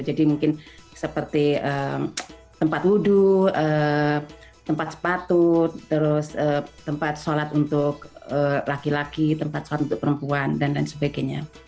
jadi mungkin seperti tempat wudhu tempat sepatu terus tempat sholat untuk laki laki tempat sholat untuk perempuan dan sebagainya